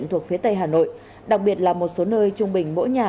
thuộc phía tây hà nội đặc biệt là một số nơi trung bình mỗi nhà